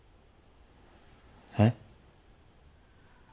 えっ？